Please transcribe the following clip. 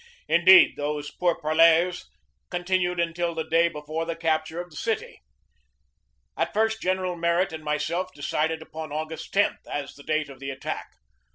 Indeed, these pourparlers continued until the day before the capture of the city. At first General Merritt and myself decided upon August 10 as the date of the attack.